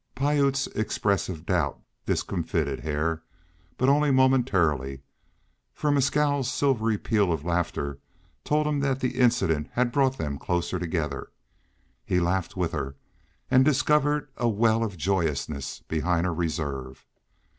Piute's expressive doubt discomfited Hare, but only momentarily, for Mescal's silvery peal of laughter told him that the incident had brought them closer together. He laughed with her and discovered a well of joyousness behind her reserve.